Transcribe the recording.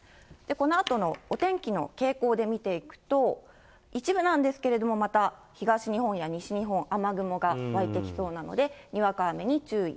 このあとのお天気の傾向で見ていくと、一部なんですけれども、また東日本や西日本、雨雲が湧いてきそうなので、にわか雨に注意。